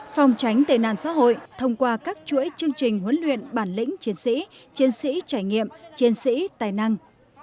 phòng tránh tệ nạn xã hội thông qua các chuỗi chương trình huấn luyện bản lĩnh chiến sĩ chiến sĩ trải nghiệm chiến sĩ tài năng